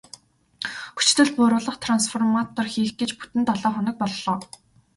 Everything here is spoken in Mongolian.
Хүчдэл бууруулах трансформатор хийх гэж бүтэн долоо хоног боллоо.